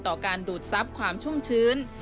ต่อการดูดทรัพย์ความชุ่มชื้น